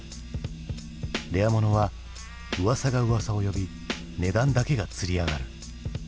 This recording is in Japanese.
レアものはうわさがうわさを呼び値段だけがつり上がる。